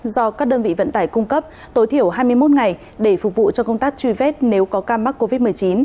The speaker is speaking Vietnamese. do các đơn vị vận tải cung cấp tối thiểu hai mươi một ngày để phục vụ cho công tác truy vết nếu có ca mắc covid một mươi chín